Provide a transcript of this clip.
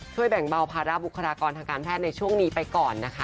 แบ่งเบาภาระบุคลากรทางการแพทย์ในช่วงนี้ไปก่อนนะคะ